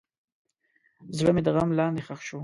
زړه مې د غم لاندې ښخ شو.